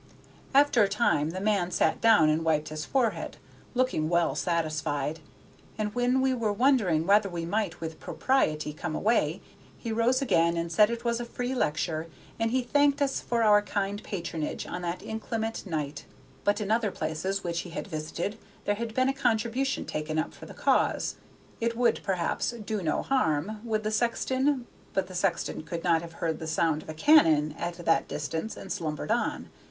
After a time the man sat down and wiped his forehead, looking well satisfied; and when we were wondering whether we might with propriety come away, he rose again, and said it was a free lecture, and he thanked us for our kind patronage on that inclement night; but in other places which he had visited there had been a contribution taken up for the cause. It would, perhaps, do no harm, would the sexton But the sexton could not have heard the sound of a cannon at that distance, and slumbered on.